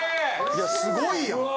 いやすごいやん！